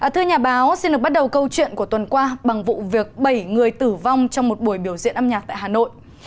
thưa nhà báo xin được bắt đầu câu chuyện của tuần qua bằng vụ việc bảy người tử vong trong một buổi biểu diễn âm nhạc tại hà nội